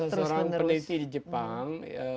seseorang peneliti di jepang